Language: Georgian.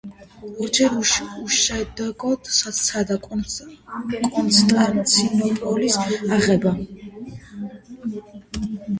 ორჯერ უშედეგოდ სცადა კონსტანტინოპოლის აღება.